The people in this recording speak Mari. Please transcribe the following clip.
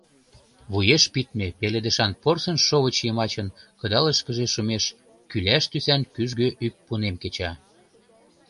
Вуеш пидме пеледышан порсын шовыч йымачын кыдалышкыже шумеш кӱляш тӱсан кӱжгӧ ӱппунем кеча.